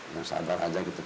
yang sadar aja gitu